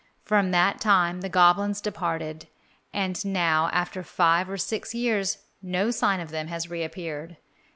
From that time the goblins departed, and now after five or six years no sign of them has reappeared.